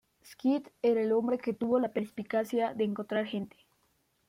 Skid era el hombre que tuvo la perspicacia de encontrar gente.